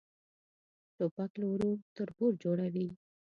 توپک له ورور تربور جوړوي.